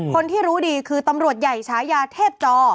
คนที่รู้ดีคือตำรวจใหญ่ฉายาเทพจอ